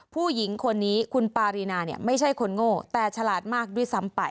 ผู้หญิงคนนี้คุณปารีนาไม่ใช่คนโง่แต่ฉลาดมากด้วยซ้ำไป